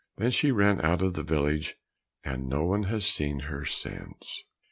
Then she ran out of the village, and no one has seen her since.